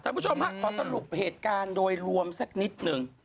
คุณผู้ชมฮะขอสรุปเหตุการณ์โดยรวมสักนิดหนึ่ง